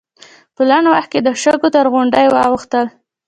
په لنډ وخت کې د شګو تر غونډۍ واوښتل.